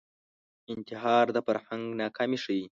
انتحار د فرهنګ ناکامي ښيي